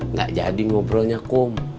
nggak jadi ngobrolnya kom